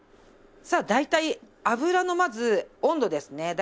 さあ大体油のまず温度ですね。